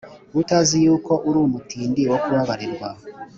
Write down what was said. utazi yuko uri umutindi wo kubabarirwa,